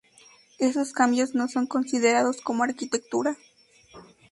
Esos cambios no son considerados como arquitectura.